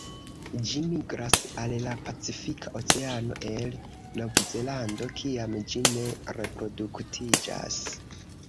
Ĝi migras al la Pacifika Oceano el Novzelando kiam ĝi ne reproduktiĝas.